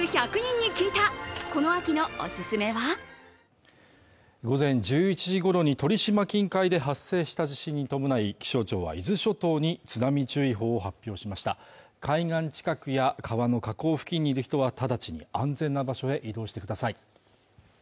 ペイトク午前１１時ごろに鳥島近海で発生した地震に伴い気象庁は伊豆諸島に津波注意報を発表しました海岸近くや川の河口付近にいる人は直ちに安全な場所へ移動してください